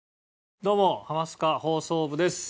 どうも『ハマスカ放送部』です。